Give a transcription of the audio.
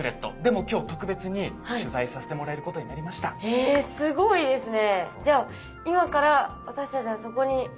えすごいですね。